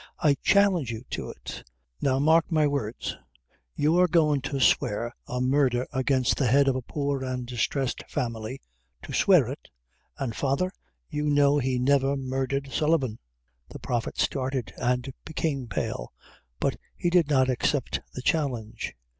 I challenge you to it! Now mark my words you are goin' to swear a murdher against the head of a poor and distressed family to swear it and, father, you know he never murdhered Sullivan!" The Prophet started and became pale, but he did not accept the challenge.